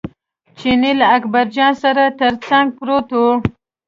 چیني له اکبرجان سره تر څنګ پروت و.